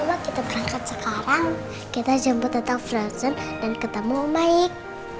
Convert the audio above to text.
kalau kita berangkat sekarang kita jemput tetap frozen dan ketemu om maik